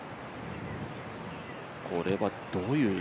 これはどういう？